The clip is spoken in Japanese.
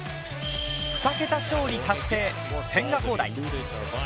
２桁勝利達成、千賀滉大。